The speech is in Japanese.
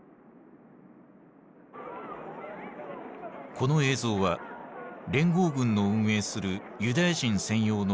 この映像は連合軍の運営するユダヤ人専用の難民キャンプ。